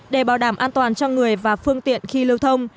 để bảo đảm an toàn cho người và phương tiện khi lưu thông